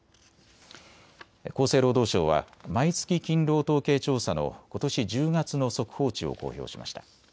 厚生労働省は毎月勤労統計調査のことし１０月の速報値を公表しました。